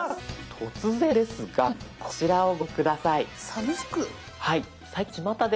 突然ですがこちらをご覧下さい。